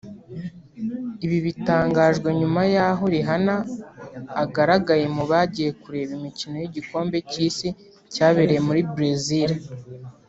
Ibi bitangajwe nyuma y’aho Rihanna agaragaye mu bagiye kureba imikino y’igikombe cy’Isi cyabereye muri Brazil